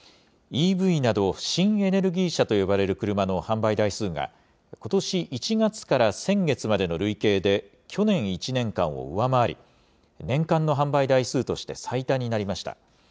ＥＶなど、新エネルギー車と呼ばれる車の販売台数が、ことし１月から先月までの累計で、去年１年間を上回り、年間の販売台数として最多になりました。